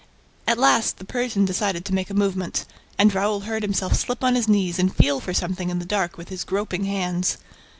At last, the Persian decided to make a movement; and Raoul heard him slip on his knees and feel for something in the dark with his groping hands.